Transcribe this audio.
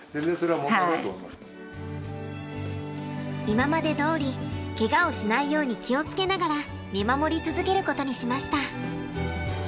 今までどおりケガをしないように気を付けながら見守り続けることにしました。